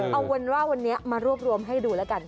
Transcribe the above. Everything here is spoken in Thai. เอาเป็นว่าวันนี้มารวบรวมให้ดูแล้วกัน